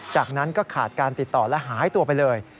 จากนั้นก็ขาดการติดต่อและหายตัวไปเลย